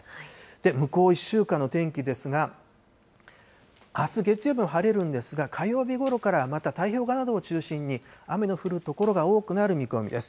で、むこう１週間の天気ですが、あす月曜日は晴れるんですが、火曜日ごろからまた太平洋側を中心に、雨の降る所が多くなる見込みです。